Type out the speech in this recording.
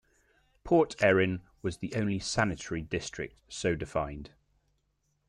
Port Erin was the only sanitary district so defined.